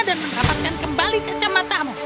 dan mendapatkan kembali kacamata mu